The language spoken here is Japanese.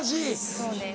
そうです。